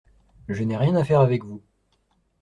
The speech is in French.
Je n’ai rien à faire avec vous.